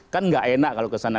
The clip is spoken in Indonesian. kan nggak enak kalau kesana